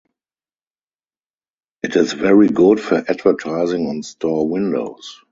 It is very good for advertising on store windows.